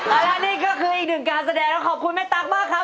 เอาละนี่ก็คืออีกหนึ่งการแสดงแล้วขอบคุณแม่ตั๊กมากครับ